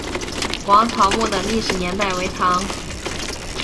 王潮墓的历史年代为唐。